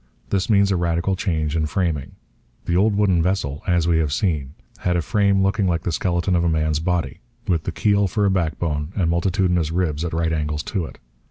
This means a radical change in framing. The old wooden vessel, as we have seen, had a frame looking like the skeleton of a man's body, with the keel for a backbone and multitudinous ribs at right angles to it.